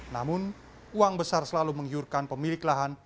namun uang besar selalu menggiurkan pemilik lahan